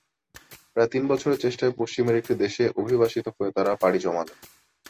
প্রায় তিন বছরের চেষ্টায় পশ্চিমের একটি দেশে অভিবাসিত হয়ে তাঁরা পাড়ি জমালেন।